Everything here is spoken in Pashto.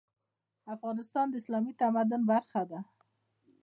افغانستان د اسلامي تمدن برخه ده.